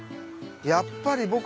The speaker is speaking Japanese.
やっぱり僕は。